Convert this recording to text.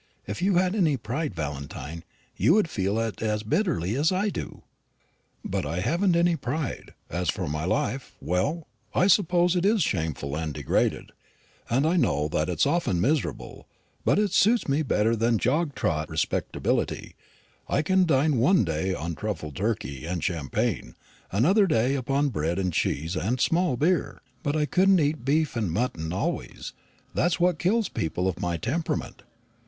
If you had any pride, Valentine, you would feel it as bitterly as I do." "But I haven't any pride. As for my life, well, I suppose it is shameful and degraded, and I know that it's often miserable; but it suits me better than jog trot respectability, I can dine one day on truffled turkey and champagne, another day upon bread and cheese and small beer; but I couldn't eat beef and mutton always. That's what kills people of my temperament.